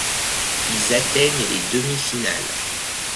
Ils atteignent les demi-finales.